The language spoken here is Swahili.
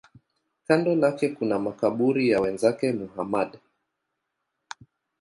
Kando lake kuna makaburi ya wenzake Muhammad.